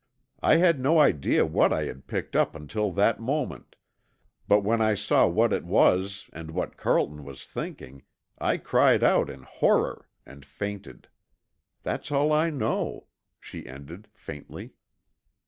I had no idea what I had picked up until that moment, but when I saw what it was and what Carlton was thinking, I cried out in horror and fainted. That's all I know," she ended, faintly.